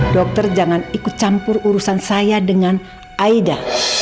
dokter jangan ikut campur urusan saya dengan aida